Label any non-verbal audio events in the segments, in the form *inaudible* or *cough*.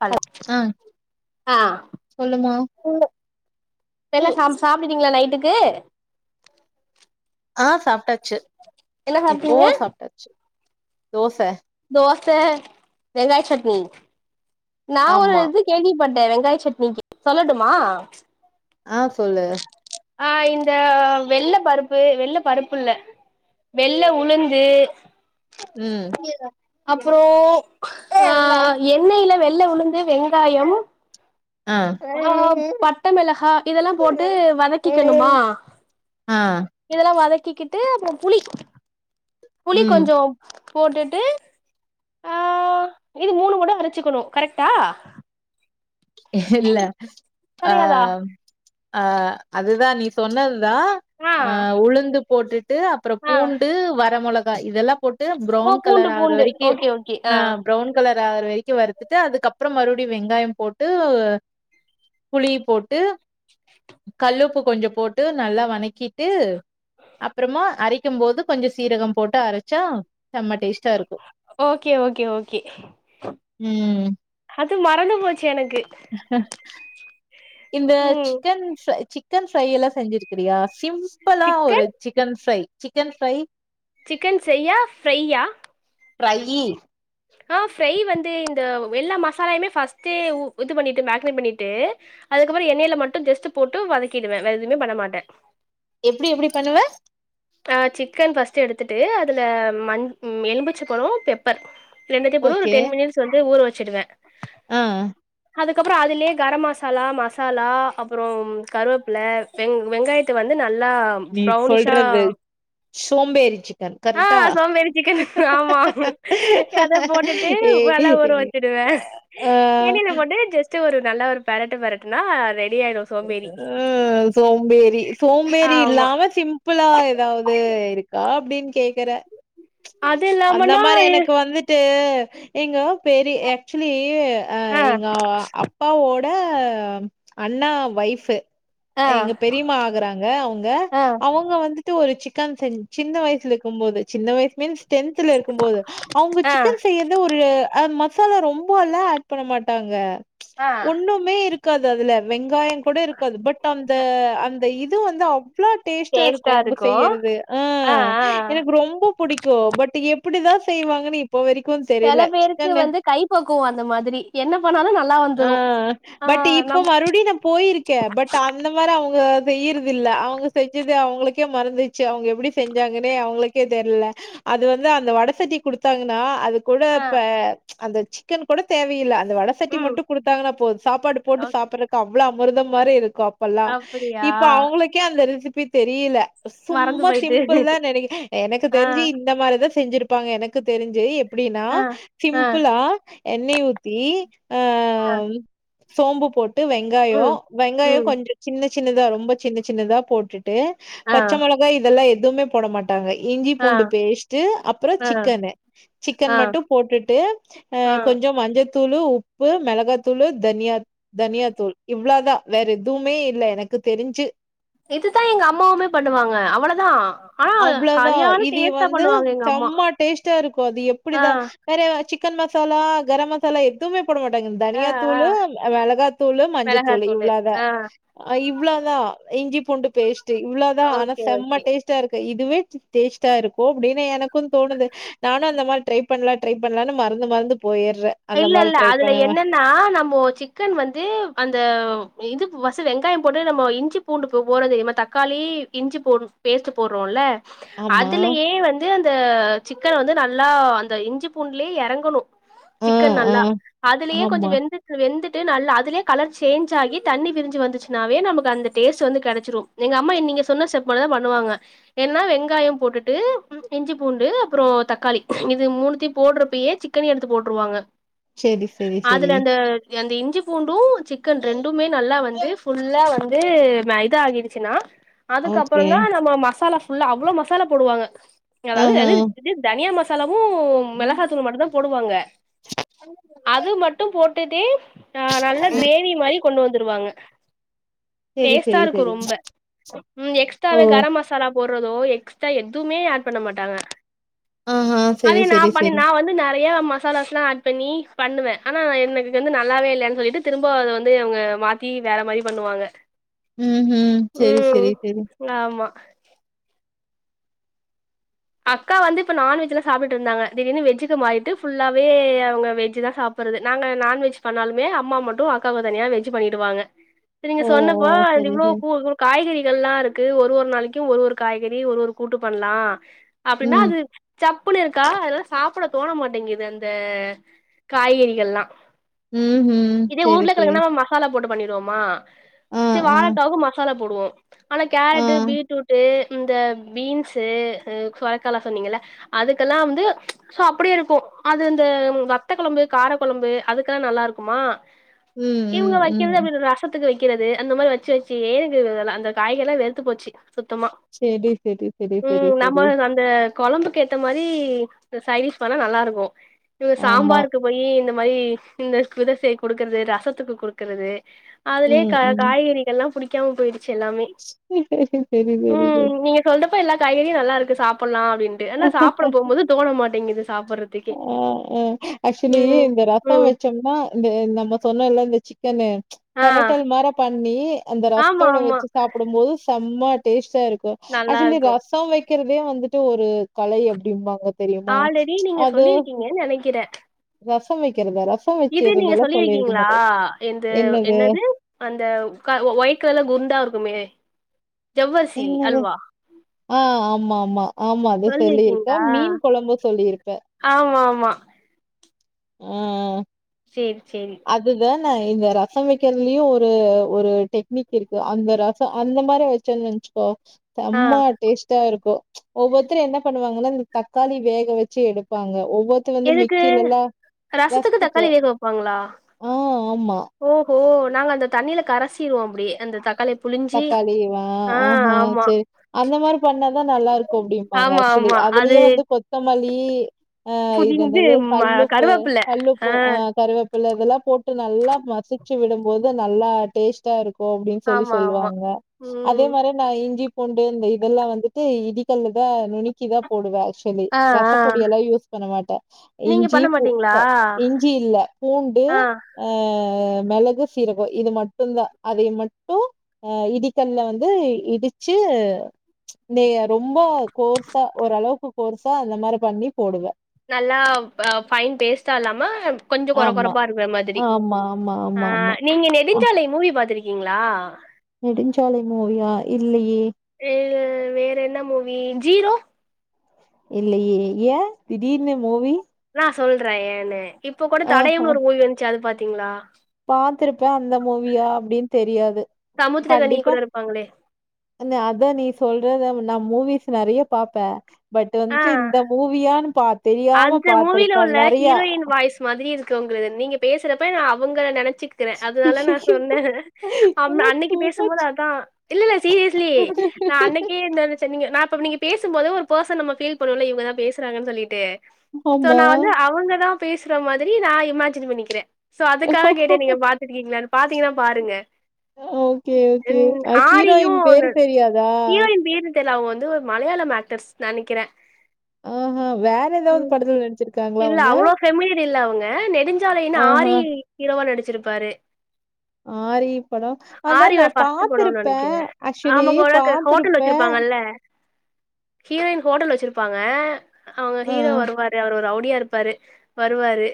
Hello ஆ ஆ சொல்லுமா உங்க இப்பயெல்லா சா சாப்ட்டீங்களா நைட்டுக்கு ஆ சாப்ட்டாச்சி என்ன சாப்ட்டீங்க எப்போவோ சாப்ட்டாச்சி தோச தோச வெங்காய சட்னி நா ஒரு ஆமா இதுக் கேள்விப்பட்டே வெங்காய சட்னிக்கி சொல்லட்டுமா ஆ சொல்லு ஆ இந்த வெள்ள பருப்பு வெள்ள பருப்பு இல்ல வெள்ள உளுந்து ம் அப்றோ ஆ எண்ணெயில வெள்ள உளுந்து வெங்காய ஆ ஆ பட்ட மெளகா இதெல்லா போட்டு வதக்கிக்கணுமா ஆ இதெல்லா வதக்கிக்கிட்டு அப்றோ புளி புளி ம் கொஞ்சோ போட்டுட்டு ஆ இது மூணு மட்டு அரைச்சுக்கணு கரெக்டா இல்ல அ கெடையாதா ஆ அதுதா நீ சொன்னதுதா ஆ உளுந்து போட்டுட்டு அப்பறோ ஆ பூண்டு வர மெளகா இதெல்லா ட்டு ஓ ப்ரவுன் பூண்டு கலர் ஆகுற பூண்டு வரைக்கு ஓகே ஓகே ஆ ப்ரவுன் ரெட் கலர் ஆகிற வரைக்கி வறுத்துட்டு அதுக்கு அப்றோ மறுபடி வெங்காய போட் டு புளி போட்டு கல் உப்பு கொஞ்சோ போட்டு நல்லா வனக்கிட்டு அப்பறமா அரைக்கு போது கொஞ்சோ சீரக போட்டு அரச்சா செம்ம டேஸ் ஓகே ஓகே ஓகே ம் அது மறந்து போச்சு எனக்கு இந்த ம் சிக்கன்ஸு சிக் சிக்கன் ஃப்ரை எல்லா செஞ்சிருக்கிறியா சிம்பிளா ஒரு chicken chicken fry chicken fry chicken செய்யா ஃப்ரையா ஃப்ரைய் ஆ ஃப்ரை வந்து இந்த எல்லா மசாலயுமே ஃபர்ஸ்ட்டே ஊ இது பண்ணிட்டு மேக்னேட் பண்ணிட்டு அதுக்கப்பறோ எண்ணெய்ல மட்டு ஜஸ்ட் போட்டு வதக்கிடுவே வேறு எதுமே பண்ண மாட்டே எப்டி எப்டி பண்ணுவ அ சிக்கன் ஃபர்ஸ்ட்ட் எடுத்துட்டு அதுல மண் மம் எலும்புச்ச பழோ பெப் பர் ரெண்டுத்த போட்டு ஒரு ஓகே டென் மினிட்ஸ் வந்து ஊர் வச்சடுவேன் ஆ அதுக்கப்றோ அதுலயே கரோ மசாலா மசாலா அப்றோ கருவேப்பில வெங் வெங்காயத்த வந்து நல்லா நீ ப்ரௌனிஷா சொல்றது சோம்பேரி சிக்கன் ஆ கரெக்டா சோம்பேறி சிக்கன் ஆமா அத போட்டுட்டு ஏ ஏ நல்லா ஊற வச்சுடுவே அ அடுத்து ஒரு நல்ல ஒரு பெரட்டு பெரட்டுனா ரெடி ஆயிடு சோம்பேறி ஆ சோம்பேரி சோம்பேரி ஆமா இல்லாம சிம் ம்புளா ஏதாவது இருக்கா அப்படின்னு கேக்குறே அது அந்த இல்லாமனா மாறி எனக்கு வந்து ஆ எங்க பெரி ஆக்சுவலி ஆ எங்க அப்பாவோ ட அண்ணா வைஃப் ஆ எங்க பெரியமா ஆகுறாங்க அவங்க ஆ அவங்க வந்துட்டு ஒரு சிக் க்கான் செஞ் சின்ன வயசுல இக்கும் போது சின்ன வயசு மீன்ஸ் டென்த்ல இருக்கும்போது அவங்க ஆ சிக்கன் செய்யறது ஒரு ஆ ம மசாலா ரொம்ப எல்லாம் ஆட் பண்ண மாட்டாங்க ஆ ஒண்ணுமே இருக்காது அதுல வெங்காயம் கூட இருக் காது பட் அந்த அந்த இது வந்து அவ்வளோ டேஸ்டா இருக்கும் டேஸ்ட்டா அவங்க இருக்கு செய்யறது ஆ எனக்கு ரொம்ப பிடிக்கும் பட் எப்படிதான் செய்வாங்கன்னு இப்ப வரைக்கும் தெ சில பேருக்கு வந்து கைப்பக்குவம் அந்த மாதிரி என்ன பண்ணாலும் நல்லா ஆ வந்துரும் பட் இப்ப மறுபடியும் நம் போயிருக்கே பட் அந்த மாறி அவங்க செய்யறது இல்ல அவங்க செஞ்சது அவங்களுக்கே மறந்து ச்சு அவங்க எப்படி செஞ்சாங்கன்னே அவங்களுக்கே தெர்ல அது வந்து அந்த வடசட்டி குடுத்தாங்கன்னா அது கூட ஆ இப்ப அந்த சிக்கன் கூட தேவையில்ல அந்த வட சட்டி ம் மட்டும் குடுத்தாங்கன்ன போதும் சாப்பாடு ஓகே போட்டு சாப்பற்றக்கு அவ்வளவு அமிர்தம் மாறி இருக்கும் அப் ப்பல்ல அப்படியா இப்ப அவங்களுக்கே அந்த ரெசிபி தெரியில மறந்து சும்மா போயிட்டு சிம்பிள் தா நினைக்க எனக்கு ஆ, தெரிஞ்சு இந்த மாதிரிதான் செஞ்சிருப்பாங்க எனக்கு தெரிஞ்சி எப்டின்னா ஆ, ஆ, சிம்பிளா எண்ணெய ஊத்தி அ சோம்பு போட்டு வெங் ம், ங்காயம் வெங்காயம் ம், கொஞ்சம் சின்ன சின்னதா ரொம்ப சின்ன சின்னதா போட்டுட்டு ட்டு ஆ, பச்ச மிளகா இதெல்லாம் எதுவுமே போட மாட் ங்க இஞ்சி ஆ, பூண்டு பேஸ்ட்டு அப்பறம் ஆ, சிக்கனு சிக்கன் ஆ, மட்டும் போட்டுட்டு ஆ கொஞ்சோ மஞ்சத் தூளு உப்பு மிளகாத்தூளு தனியா தனியா தூள் இவ்ளோ தான் வேற எதுவுமே இல்ல எனக்கு தெரிஞ்சு இதுதான் எங்க அம்மாவுமே பண்ணுவாங்க அவ்வளதா அவ்வளோதான் இதிய வந்து எங்க அம்மா. செம டேஸ்டா இருக்கும் அது ஆ, எப்புடிதான் நிறைய சிக்கன் மசாலா கரம் மசாலா மசாலா எதுவுமே போட மாட்டாங்க சாலா எதுமே போட மாட்டாங்க இந்த ஆ, ஆ, தனியாத்தூளு மெளகாத்தூளு மஞ்சத்தூளு மிளகாத்தூளு. இவ்ளோதா ஆ, அ இவ்வளோதான் இஞ்சி பூண்டு பேஸ்ட் இவ்ளோ தான் ஆனா ஓகே, செம்ம ஓகே. டேஸ்ட் ட்ட இருக்கும் இதுவே டேஸ்ட்டா இருக்கும் அப்படின்னு எனக்கும் தோணுது நானு ம் அந்த மாறி ட்ரை பண்ணலாம் ட்ரை பண்ணலானு மறந்து மறந்து போயிடுற அந்த மாரி ட்ரை பண்ணவா னா நம்ம சிக்கன் வந்து அந்த இது பர்ஸ்ட் வெங்காயம் போட்டு நம்ம இஞ்சிப் பூண்டு இப்போ போடுறோ தெரியுமா தக்காளி இஞ்சி போட பேஸ்ட்டு போடுறோம்ல ஆமா அதுலயே வந்து அந்த சிக்கன் வந்து நல்லா அந்த இஞ்சி பூண்டுலேயே எறங்கணும் ஆ சிக்கன் ஆ நல்லா அதுலயே ஆமா கொஞ்சம் வெந்து வெந்துட்டு நல்லா அதுலேயே கலர் சேஞ்ச் ஆகி தண்ணி பிரிஞ்சி வந்துச்சுனாவே நமக்கு அந்த டேஸ்ட் வந்து கிடைச்சிரும் எங்க அம்மா நீங்க சொன்ன ஸ்டெப் மாறிதான் பண்ணுவாங்க என்னா வெங்காயம் போட்டுட்டு இஞ்சி பூண்டு அப்புறம் தக்காளி இது மூணுத்தையும் போடுறப்பயே சிக்கனையும் எடுத்து போ ட்டுருவாங்க செரி செரி செரி அதுல அந்த அந்த இஞ்சி பூண்டும் சிக்கன் ரெண்டுமே நல்லா வந்து ஃபுல்லா வந்து ம இ தா ஆகிடுச்சுன்னா அதுக்கப்புறோ ஓகே தா நம்ம மசாலா ஃபுல்லா அவ்ளோ மசாலா போடுவாங்க அதாவ்து ஆஹா அது *unintelligible* தனியா மசா மசாளாவு மிளகாத்தூளு மட்டுந் தா போடுவாங்க அது மட்டு போட்டுட்டே அ நல்ல கிரேவி மாரி கொண்டு வந்துருவாங்க செரி டேஸ்ட்டா செரி இருக்கு செரி ரொம்ப உம் ஓ எக்ஸ்ட்ராவே கரம் மசா சாலா போடுறதோ எக்ஸ்ட்ரா எதுமே ஆட் பண்ண மாட்டாங்க ஆஹா செரி அதே நா செரி பண்ணி செரி நா வந்து நெறய ம மசாலாஸ்ல்லா ஆட் பண்ணி பண்ணுவே ஆனா எனக்கு வந்து நல்லாவே இல்லன் சொல்லிட்டு திரும்ப அத வந்து இவ்ங்க மாத் தீ வேற மாரி பண்ணுவாங்க உம் கூம் செரி ம் செரி செரி ஆமா அக்கா வந்து இப்ப நான்வெஜ்லா சாப்பிட்ருந்தாங்க திடீர்னு வெஜ்ஜூக்கு மாரிட்டு ஃபுல்லாவே அவ்ங்க வெஜ் தா சாப் பருது நாங்க நான்வெஜ் பண்ணாலுமே அம்மா மட்டு அக்காவுக்கு தனியா வெஜ்சு பண்ணிடுவாங்க *inaudible* இத நீங்க ஓ சொன்னப்போ செரி இவ்ளோ செரி பூவுருக்குனு காய்கறிகள்லா இருக்கு ஒரு ஒரு நாளைக்கு ஒரு ஒரு காய்கறி ஒரு ஒரு கூட்டு பண்லா அப்டினா ம் அது சப்புனு இருக்கா அதெல்லா சாப்புட தோண மாட்டேங்கிது அந்த காய்கறிகள்லா ம்ஹும் இதே செரி செரி ஊருளக்கிழங்குனா நம மஸ் மசாலா போட்டு பண்ணிடுவோமா ஆ செ ஆ வாழக்காவுக்கு மசாலா போடுவோ ஆனா ஆ கேரட்டு பீட்ரூட்டு் இந்த பீன்ஸ்சு சொரக்காலா சொன்னீங்கள அதுக்கெல்லா வந்து ம்ச் சோ அப்டியே இருக்கு அது இந்த வத்த கொழம்பு கார கொழம்பு அதுக்கெல்லா நல்லா இருக்குமா ம் இவ்ங்க ம் வக்கிறதே ம் இப்பிதராஸ் ரசத்துக்கு வக்கிறது அந்த மாரி வச்சி வச்சியே ஏங்குது அதலா அந்த காய்கறிலா வெறுத்து போச்சி சுத்தமா சேரி செரி செரி செரி ம் நம்ம செரி அந்த கொழம்புக்கு ஏத்த மாரி சைடிஸ் பண்ணா நல்லா இருக்கு இவ ஆமா. சாம்பாருக்கு போயி இந்த மாரி இந்த விதசேக் கொடுக்குறது ரசத்துக்கு கொடுக்குறது அதுலே ம், கா ம். காய்கறிகள்லா புடிக்காம போயிடுச்சு எல்லாமே சரி, சரி, சரி, ம் சரி. நீங்க சொல்றப்ப எல்லா காய்கறியு நல்லா இருக்கு சாப்பிட்லா அப்டின்டு ஆனா சாப்பிட போகும் போது தோன மாட்டேங்குது சாப்பிட்றக் அங்ஹ் ஊ ஆக்சுவலி இந்த ரசோ ம் வச்சோம்னா இந்த நம்ம சொன்னோல்ல இந்த சிக் சிக்கன்னு ச் ஆ பெரட்டல் மார பண்ணி அந்த ஆமா ரசத்தோட ஆமா வச்சு சாப்பிடுபோது சம்ம டேஸ்ட்டா இருக்கு நல்லா ஆக்சுவலி இருக்கும். ரசோ வைக் வக்கிறதே வந்துட்டு ஒரு கலை அப்டிம்பாங்க ஆல்ரெடி நீங்க சொல்லிருக்கீங்கன் நெனைக்கிறே ரசம் வக்கிறதா ரஸ் இது நீங்க சொல்லிருக்கீங்ளா இது என்னது அந்த வுக்கா ஒயிட் கலருல குண்டா இருக்குமே தி என்னது? அல்வா ஆ ஆம்மா ஆம்மா ஆமா அதே சொல்லியிருக்கே மீன் கொழம்பு சொல்லியிருப்பே ஆமாமா ஊ சேரி சேரி அதுதே ந இந்த ரசம் வைக்கிறதுலயு ஒரு ஒரு டெக்னிக் இருக்கு அந்த ரசோ அந்த மாரி வச் வச்சோன்நென்ச்கோ ஆ சம்ம டேஸ்ட்டா இருக்கு ச் ஒவ்வொருத்தரு என்ன பண்ணுவாங்கனா இந்த தக்காளி வேக வச்சி எடுப்பாங்க ஒவ்வொர் இது வந்து எதுக்கு மிக்ஸிலலா ரசத்துக்கு தக்காளி வேக வப்பாங்களா ஆ ஆமா ஓஹோ நாங்க அந்த தண்ணியில கரைசிடுவோ அப்பிடியே அந்த தக்காளி தக்காளியவா ஆஹ செரி அந்த மாரி பண்ணாதா நல்லா இருக்கு அப்பிடிப்பாங்க ஆமா, அக்ஸ்வலி ஆமா. அது அதுலயே வந்து கொத்தமல்லி ஆ இது புதிந்து என்னது ம கல்லுப்பு கருவேப்பில. கல்லுப்பு ஆ கருவே ப்பிலே இதெலா போட்டு நல்லா மசிச்சி விடும்போது நல்லா டேஸ்ட்டா இருக்கு அப்பிடின் சொல்லி ஆமா, ஆமா. சொல்லுவாங்க அதே ம். மாரி நா இஞ்சி பூண்டு இந்த இதெல்லா வந்துட்டு இடிகல்ல தா நுனிக் கி தா போடுவே ஆக்ஸ்வலி ஆ, ஆ. ரசப்பொடியலா யூஸ் பண்ண மாட்டே நீங்க இஞ்சி பண்ண பூ மாட்டீங்களா? க இஞ்சி இல்ல பூண்டு ஆ மெளகு சீரக இது மட்டும் தா அதை மட்டும் ஆ இடிகல்ல வந்து இடிச்சு நீ ரொம்ப கோர்ஸா ஓரளவுக்கு கோர்ஸா அந்த மாரி பண்ணி போடுவ நல்லா பைன் பேஸ்ட்டா இல்லாம கொஞ்ச கொற ஆமா கொறப்பா இருக்குற மாதிரி ஆமா ஆமா ஆ ஆமா ஆமா நீங்க நெதில் அ நெடுஞ்சாலை மூவி பாத்துருக்கீங்களா நெடுஞ்சாலை மூவியா இல்லையே ம் வேற என்ன மூவீ ஜீரோ இல்லயே ஏ திடீர்னு மூவீ நா சொல்றே ஏன்னு இப்ப கூட தடையம்னு ஒரு மூவீ வந்துச்சு அது பாத்தீங்களா பாத்துருப்பே அந்த மூவியா அப்டின் தெரியாது சமுத்திரக்கனி கூட இருப்பாங்களே அதான் நீ சொல்றத நான் மூவிஸ் நறைய பாப்பே பட் ஆ வந்துட்டு இந்த மூவியானு பா தெரியாம அந்த மூவில பாத்துருப்பே உள்ள நெறையா ஹீரோயின் வாய்ஸ் மாதிரி இருக்கு உங்கத நீங்க பேசுறப்ப நா அவங்கல நினைச்சுக்கிறே அதனால நா ஐயயோ! சொன்னே அவ இதெல்லா அன்னைக்கு டூ பேசும் போது மச் அதா இல்ல இல்ல சீரியஸ்லி நா அன்னைக்கே இந்த சரிங்க நான் இப்ப நீங்க பேசும்போது ஒரு பர்சன் நம்ம பீல் பண்ணுவோல இவங்கதா பேசுறங்கன் சொல்லிட்டு சோ ஆமா. நா வந்து அவங்கதா பேசுற மாதிரி நான் இமேஜின் பண்ணிக்கிறே சோ அதுக்காக கேட்டே நீங்க பாத்துருக்கீங்களானு பாத்தீங்கன்னா பாருங்க ஓகே ஓகே. ம் அ ஆரியு ஹீரோயின் பேரு ஒன்னு தெரியாதா? ஹீரோயின் பேரு தெர்ல அவுங்க வந்து ஒரு மலையாளம் ஆக்டர்ஸ் நெனைக்கிறே ஓஹோ வேர் ம் இல்ல அவ்வளோ ஃபமிலியர் இல்ல அவுங்க நெடுஞ்சாலைன்னு ஆஹா. ஆரி ஹீரோவா நடிச்சிருப்பாரு ஆரி படம் ஆனா நா ஆரியோட ஃபர்ஸ்ட் படோன்னு பாத்துருப்பே நெனைக்கிறே ஆக்சுவலி ஆமா பா ஹோட்டல் வச்சிருப்பாங்கல்ல ஹீரோயின் ஹோட்டல் வச்சிருப்பாங்க அவுங்க ஆ. ஹீரோ வருவாரு அவரு ரவுடியா இருப்பாரு வருவாரு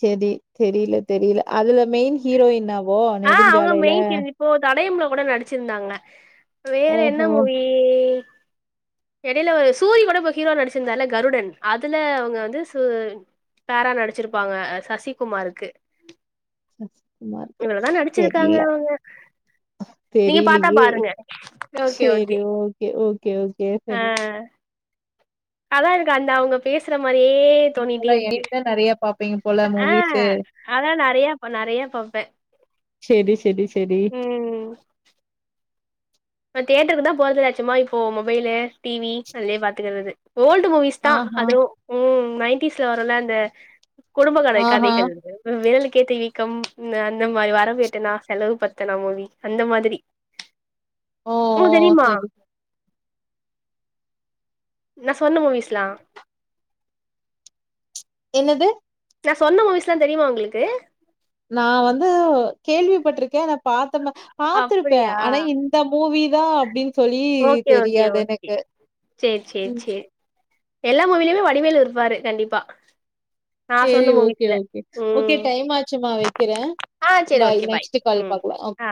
சேரி தெரியல தெரியல அதுல மெயின் ஹீரோயின்னா ஆ அவங்கதா மெயின் ஹீரோயினி இப்போ தடயம்ல கூட நடிச்சிருந்தாங்க வேற என்ன ஓஹோ மூவி எடையில சூரி கூட இப்ப ஹீரோ நடிச்சிருந்தாருல கருடன் அதுல அவங்க வந்து சு பாரா நடிச்சிருப்பாங்க சசிகுமாருக்கு சசிக்குமார்கு இவ்ளோதான் நடிச்சிருக்காங்க தெர்ல அவங்க. நீங்க பாத்தா தெரியலயே பாருங்க. சேரி ஓகே ஓகே ஓகே செரி அதா எனக்கு அந்த அவுங்க பேசுற மாரியே போல தோணிட்டே என்னய இருக்கு விட நெறைய பாப்பீங்க போல ஆ மூவிஸு அதா நெறையா பாப்பே நெறைய பாப்பே செடி செடி செடி நா தேட்டருக்கு தா போறதுல சும்மா இப்போ மொபைலு டிவி இதுலயே பாத்துக்கறது ஓல்டு மூவிஸ் தா ஆஹா அதுவும் நைன்டீஸ்ல வரும்ல அந்த குடும்பகான ஆஹா கதைகள் விரலுக்கேத்த வீக்கம் அந்த மாரி வரவு எட்டனா செலவு பத்தனா மூவீ அந்த மாதிரி ஓ உனுக்கு ஓ தெரியுமா சரி நா சொன்ன மூவிஸ்லா என்னது நா சொன்ன மூவிஸ்ல்லா தெரியுமா உங்களுக்கு நா வந்து கேள்விப்பட்டிருக்கே நா பாத்தமா பாத்திருப்பே அப்டியா ஆனா இந் இந்த மூவி தா அப்டின் சொல்லி ஓகே ஓகே தெரியாது ஓகே எனக்கு சேரி சேரி சேரி எல்லா மூவிலுமே வடிவேல் இருப்பாரு கண்டிப்பா நா செரி சொன்ன ஓகே மூவிஸ்ல ஓகே ஓகே ம் டைம் ஆச்சுமா வெக்கிற ஆ செரி ஓகே பாய் ம் ஆ